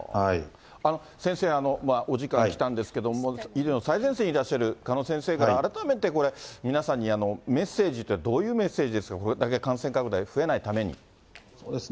先生はお時間来たんですけれども、医療の最前線にいらっしゃる鹿野先生から改めて、皆さんにメッセージというのは、どういうメッセージ、これから感染拡大増えないそうですね、